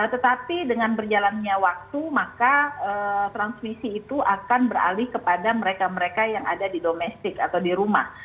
tetapi dengan berjalannya waktu maka transmisi itu akan beralih kepada mereka mereka yang ada di domestik atau di rumah